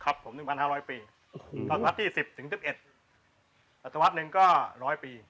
ครับผม๑๕๐๐ปีศาสตร์ที่๑๐ถึง๑๑ศาสตร์หนึ่งก็๑๐๐ปี